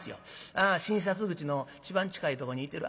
「あ診察口の一番近いところにいてる